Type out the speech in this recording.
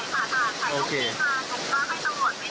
ใช่ค่ะถ่ายรูปส่งให้พี่ดูไหม